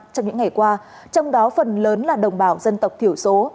trong những ngày qua trong đó phần lớn là đồng bào dân tộc thiểu số